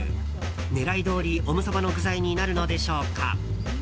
狙いどおり、オムそばの具材になるのでしょうか。